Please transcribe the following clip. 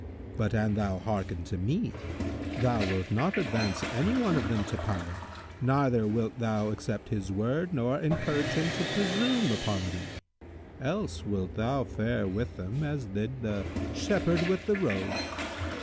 But, an thou hearken to me, thou wilt not advance any one of them to power neither wilt thou accept his word nor encourage him to presume upon thee; else wilt thou fare with them as did the Shepherd with the Rogue."